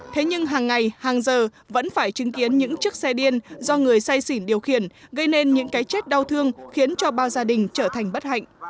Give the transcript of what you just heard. thế nhưng hàng ngày hàng giờ vẫn phải chứng kiến những chiếc xe điên do người say xỉn điều khiển gây nên những cái chết đau thương khiến cho bao gia đình trở thành bất hạnh